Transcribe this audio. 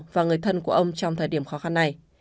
và người thân của ông trong thời điểm khó khăn này